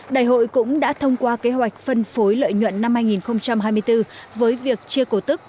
đại hội cũng đã thông qua kế hoạch phân phối lợi nhuận năm hai nghìn hai mươi bốn với việc chia cổ tức